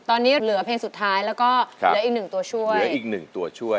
ตอนนี้เหลือเพลงสุดท้ายและเดี๋ยวอีก๑ตัวช่วย